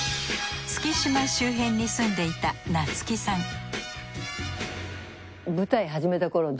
月島周辺に住んでいた夏木さん